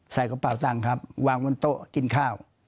ใส่กระเป๋าตังค์ครับวางบนโต๊ะกินข้าว